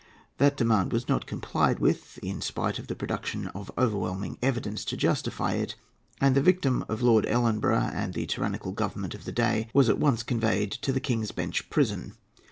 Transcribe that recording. That demand was not complied with, in spite of the production of overwhelming evidence to justify it; and the victim of Lord Ellenborough and the tyrannical Government of the day was at once conveyed to the King's Bench Prison.